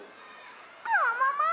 ももも！